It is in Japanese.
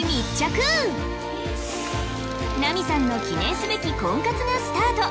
ナミさんの記念すべき婚活がスタート